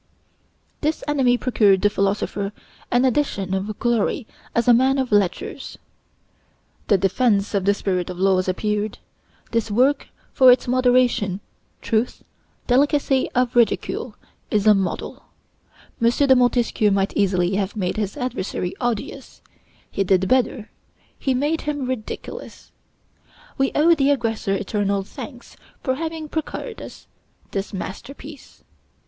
This enemy procured the philosopher an addition of glory as a man of letters: the 'Defense of the Spirit of Laws' appeared. This work, for its moderation, truth, delicacy of ridicule, is a model. M. de Montesquieu might easily have made his adversary odious; he did better he made him ridiculous. We owe the aggressor eternal thanks for having procured us this masterpiece.